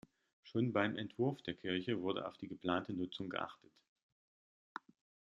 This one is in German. Schon beim Entwurf der Kirche wurde auf die geplante Nutzung geachtet.